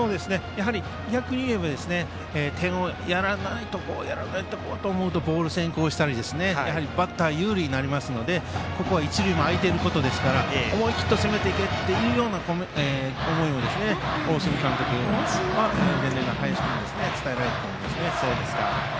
逆に言えば点をやらないでおこうと思うとボール先行したりバッター有利になりますのでここは一塁も空いていますから思い切って攻めていけという思いを、大角監督は伝令の林君に伝えられたと思います。